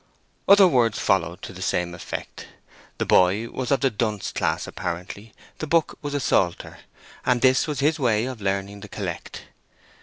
Other words followed to the same effect. The boy was of the dunce class apparently; the book was a psalter, and this was his way of learning the collect.